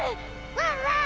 ワンワン！